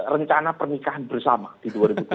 rencana pernikahan bersama di dua ribu dua puluh